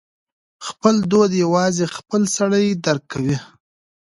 خپل درد یوازې خپله سړی درک کوي.